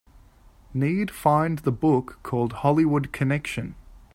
Need find the book called Hollywood Connection